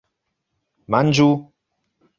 Manĝu!